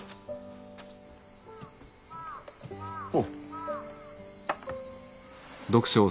おう。